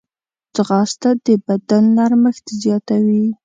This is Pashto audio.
ځغاسته د بدن نرمښت زیاتوي